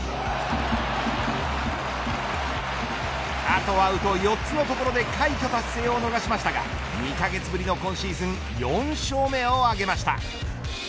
あとアウト４つのところで快挙達成を逃しましたが２カ月ぶりの今シーズン４勝目を挙げました。